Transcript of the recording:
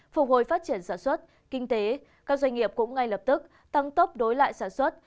phục hồi phát triển sản xuất kinh tế các doanh nghiệp cũng ngay lập tức tăng tốc đối lại sản xuất